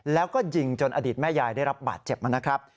แล้วก็ยิงจนอดีตแม่ยายได้รับบาดเจ็บนะครับ